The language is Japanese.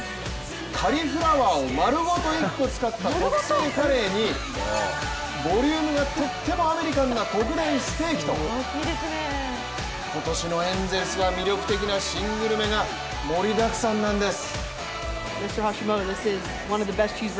カリフラワーをまるごと一個使った特製カレーにボリュームがとってもアメリカンな特大ステーキと今年のエンゼルスは魅力的な新グルメが盛りだくさんなんです。